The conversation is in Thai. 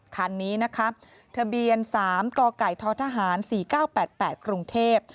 คันนี้นะคะทะเบียน๓กไก่ททหาร๔๙๘๘กรุงเทพ